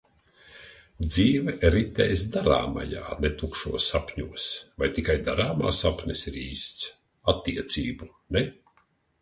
Dzīve ritēs darāmajā, ne tukšos sapņos. Vai tikai darāmā sapnis ir īsts? Attiecību ne?